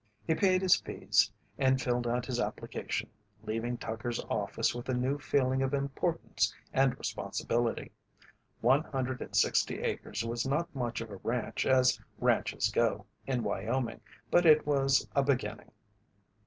He paid his fees and filled out his application, leaving Tucker's office with a new feeling of importance and responsibility. One hundred and sixty acres was not much of a ranch as ranches go in Wyoming, but it was a beginning.